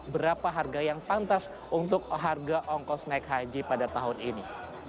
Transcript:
berapa harga yang pantas untuk harga ongkos naik haji pada tahun ini